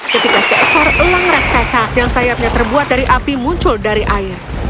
ketika seekor elang raksasa yang sayapnya terbuat dari api muncul dari air